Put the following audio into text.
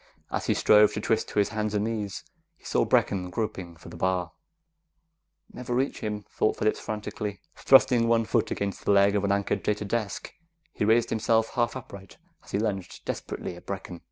As he strove to twist to his hands and knees, he saw Brecken groping for the bar. Never reach him, thought Phillips frantically. Thrusting one foot against the leg of an anchored data desk, he raised himself half upright as he lunged desperately at Brecken.